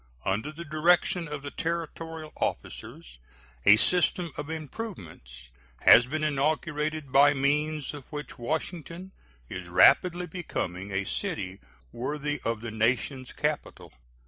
Under the direction of the Territorial officers, a system of improvements has been inaugurated by means of which Washington is rapidly becoming a city worthy of the nation's capital.